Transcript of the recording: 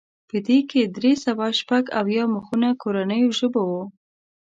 په دې کې درې سوه شپږ اویا مخونه کورنیو ژبو وو.